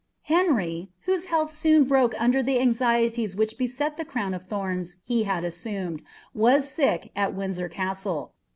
Henry, whose health soon broke under the anxieties which beset the crown of tliorns he had assumed, was sick ^SlrWindaor Castle.